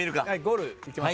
ゴールいきます。